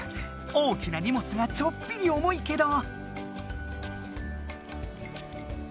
大きなにもつがちょっぴりおもいけど。